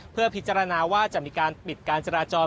เพื่อพิจารณาว่าจะมีการปิดการจราจร